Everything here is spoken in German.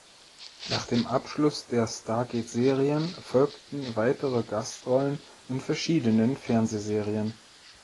Nach dem Abschluss der Stargate-Serien folgten weitere Gastrollen in verschiedenen Fernsehserien.